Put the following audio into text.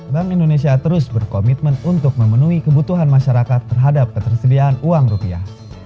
bank indonesia terus berkomitmen untuk memenuhi kebutuhan masyarakat terhadap ketersediaan uang rupiah